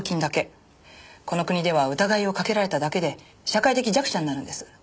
この国では疑いをかけられただけで社会的弱者になるんです。